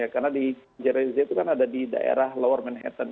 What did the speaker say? karena di jersey itu kan ada di daerah lower manhattan